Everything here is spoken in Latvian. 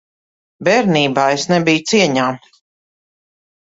Bērnībā es nebiju cieņā.